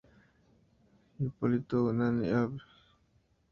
Hipólito Unanue, Av.